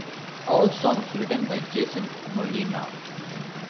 All songs written by Jason Molina.